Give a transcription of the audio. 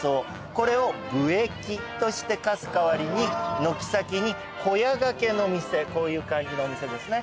これを賦役として課す代わりに軒先に小屋がけの店こういう感じのお店ですね。